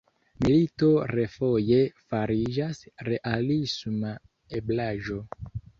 Milito refoje fariĝas realisma eblaĵo.